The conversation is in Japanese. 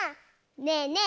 ねえねえ